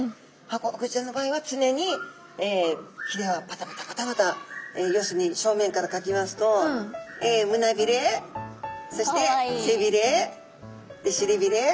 ハコフグちゃんの場合は常にひれはパタパタパタパタ要するに正面からかきますとむなびれそして背びれしりびれ。